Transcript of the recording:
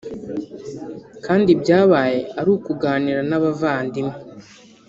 kandi ibyabaye ari ukuganira n’abavandimwe